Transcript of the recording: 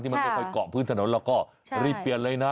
มันไม่ค่อยเกาะพื้นถนนแล้วก็รีบเปลี่ยนเลยนะ